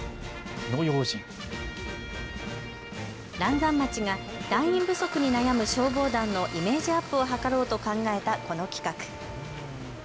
嵐山町が団員不足に悩む消防団のイメージアップを図ろうと考えたこの企画。